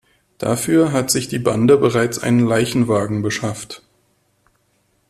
Dafür hat sich die Bande bereits einen Leichenwagen beschafft.